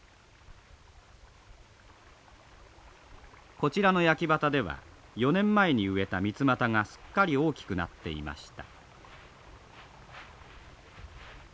こちらの焼畑では４年前に植えたミツマタがすっかり大きくなっていました。